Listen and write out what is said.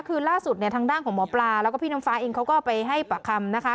คือล่าสุดเนี่ยทางด้านของหมอปลาแล้วก็พี่น้ำฟ้าเองเขาก็ไปให้ปากคำนะคะ